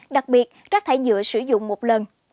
đặc biệt rác thải nhựa sử dụng một lần